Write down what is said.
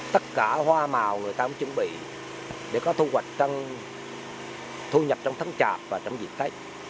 tất cả hoa màu người ta cũng chuẩn bị để có thu hoạch trong thu nhập trong thân trạp và trong diệt cách